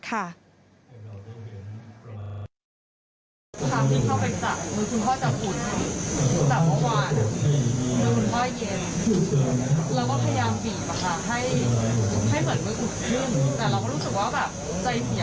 แต่เราก็รู้สึกว่าแบบใจเสีย